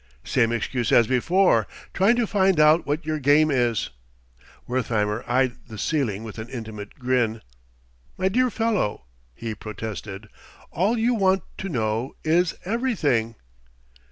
"Same excuse as before trying to find out what your game is." Wertheimer eyed the ceiling with an intimate grin. "My dear fellow!" he protested "all you want to know is everything!"